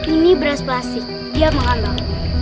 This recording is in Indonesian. ini beras plastik dia mengolah